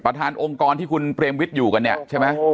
ประธานองค์กรที่คุณเปรมวิทย์อยู่กันเนี่ยใช่มั้ย